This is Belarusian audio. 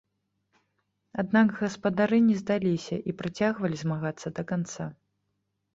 Аднак гаспадары не здаліся і працягвалі змагацца да канца.